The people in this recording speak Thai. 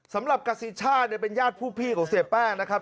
สำหรับกสิช่าเนี่ยเป็นญาติผู้พี่ของเสียแป้งนะครับ